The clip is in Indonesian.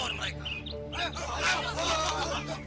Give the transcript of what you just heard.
mereka akan menghancurkan kampung ini